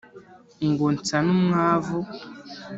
ngo nsa n'umwavu